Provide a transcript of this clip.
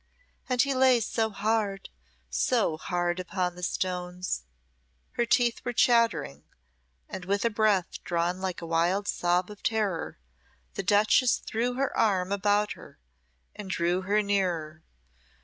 And he lay so hard, so hard upon the stones." Her teeth were chattering, and with a breath drawn like a wild sob of terror, the duchess threw her arm about her and drew her nearer.